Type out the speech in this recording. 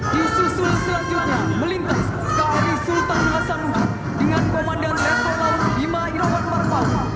disusul selanjutnya melintas kri sultan hasanuddin dengan komandan leto laut bima iroban marpao